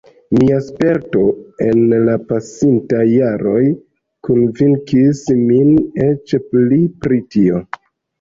Mia sperto en la pasintaj jaroj konvinkis min eĉ pli pri tio.